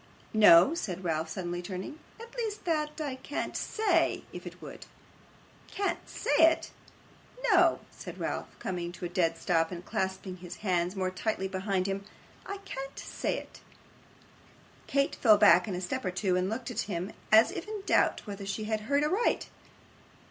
'No,' said Ralph, suddenly turning; 'at least that I can't say it, if it would.' 'Can't say it!' 'No,' said Ralph, coming to a dead stop, and clasping his hands more tightly behind him. 'I can't say it.' Kate fell back a step or two, and looked at him, as if in doubt whether she had heard aright.